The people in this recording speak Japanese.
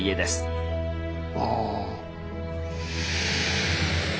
ああ。